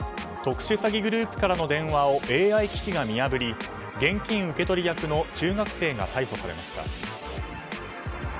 特殊詐欺グループからの電話をＡＩ機器が見破り現金受け取り役の中学生が逮捕されました。